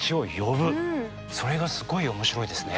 それがすごい面白いですね。